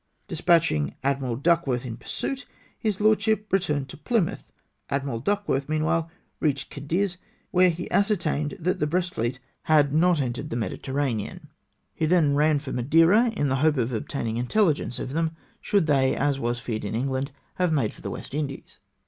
Despatching Admh al Duck worth in pursuit, his lordship returned to Plymouth. Admiral Duckworth meanwhile reached Cadiz, where he ascertained that the Brest fleet had not entered the z 2 340 PRESENT MYSELF AT THE AD:\[IRALTY. Mediterranean. He than ran for Madeira, in the hope of obtaining intelhgence of them, should they, as was feared in England, have made for the West Indies.